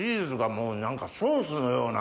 もう何かソースのような。